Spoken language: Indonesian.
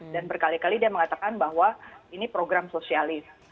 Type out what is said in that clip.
dan berkali kali dia mengatakan bahwa ini program sosialis